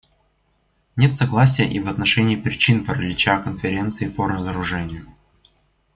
Нет согласия и в отношении причин паралича Конференции по разоружению.